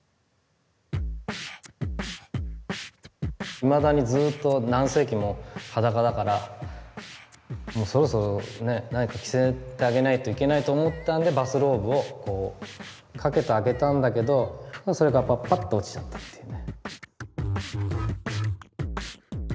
いまだにずっと何世紀も裸だからもうそろそろね何か着せてあげないといけないと思ったんでバスローブをかけてあげたんだけどそれがパッパッと落ちちゃったっていうね。